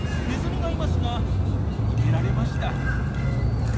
ネズミがいますが逃げられました。